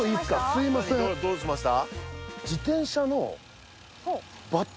すいませんどうしました？